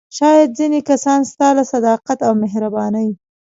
شاید ځینې کسان ستا له صداقت او مهربانۍ.